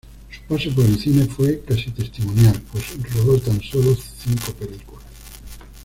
Su paso por el cine fue casi testimonial pues rodó tan solo cinco películas.